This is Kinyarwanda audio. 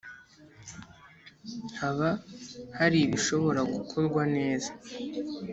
haba hari ibishobora gukorwa neza